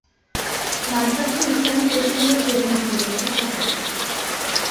মাদ্রাসা ইসলামী দেশগুলির প্রধান ধর্মীয় শিক্ষা প্রতিষ্ঠান।